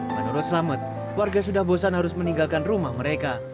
menurut selamat warga sudah bosan harus meninggalkan rumah mereka